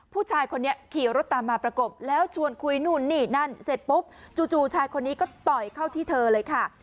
ผู้ชายคนนี้ขี่รถตามมาประกบแล้วชวนคุยนู่นนี่นั่นเสร็จปุ๊บจู่ชายคนนี้ก็ต่อยเข้าที่เธอเลยค่ะ